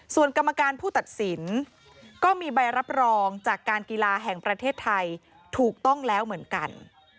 ส่วนกรรมการผู้ตัดสินก็มีใบรับรองจากการกีฬาแห่งประเทศไทยถูกต้องแล้วเหมือนกัน